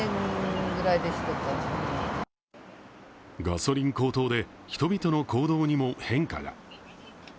ガソリン高騰で、人々の行動も変化が。